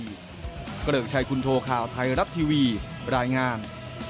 เกริกชัยคุณโทข่าวไทยรัฐทีวีรายงาน